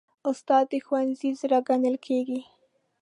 استاد د ښوونځي زړه ګڼل کېږي.